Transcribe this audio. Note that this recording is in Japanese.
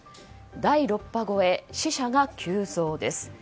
第６波超え、死者が急増です。